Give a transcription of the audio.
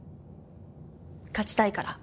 勝ちたいから。